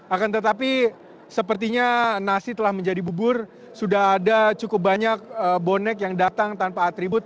akan tetapi sepertinya nasi telah menjadi bubur sudah ada cukup banyak bonek yang datang tanpa atribut